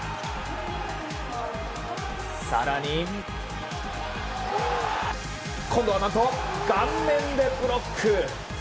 更に、今度は何と顔面でブロック！